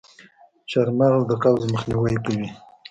چارمغز د قبض مخنیوی کوي.